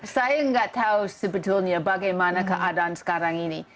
saya nggak tahu sebetulnya bagaimana keadaan sekarang ini